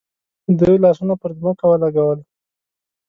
ده لاسونه پر ځمکه ولګول.